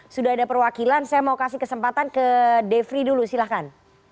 sudah ada perwakilan saya mau kasih kesempatan ke devri dulu silahkan